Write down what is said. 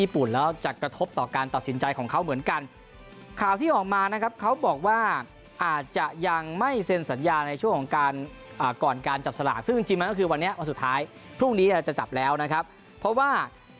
ปลอดภัณฑ์ก่อนการจับสลากซึ่งจิ๊มมันต้องคือวันเนี่ยมันสุดท้ายพรุ่งนี้จะจับแล้วนะครับเพราะว่า